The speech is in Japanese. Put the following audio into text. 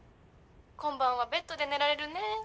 「今晩はベッドで寝られるね」